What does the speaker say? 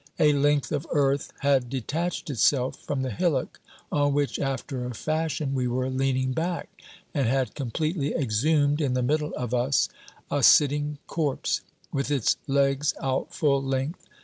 A length of earth had detached itself from the hillock on which after a fashion we were leaning back, and had completely exhumed in the middle of us a sitting corpse, with its legs out full length.